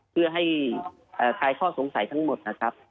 เพื่อให้คลายข้อสงสัยทั้งหมดนะครับ